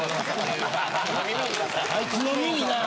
あいつの耳な。